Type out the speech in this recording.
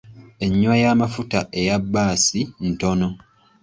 Enywa y'amafuta eya bbaasi ntono.